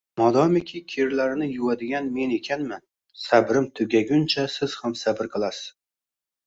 Modomiki, kirlarini yuvadigan men ekanman, sabrim tugaguncha siz ham sabr qilasiz.